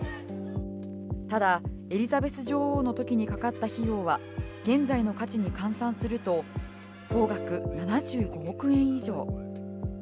ただ、エリザベス女王の時にかかった費用は現在の価値に換算すると総額７５億円以上。